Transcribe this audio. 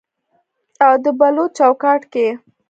او د بلوط چوکاټ کې